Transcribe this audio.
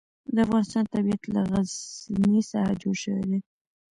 د افغانستان طبیعت له غزني څخه جوړ شوی دی.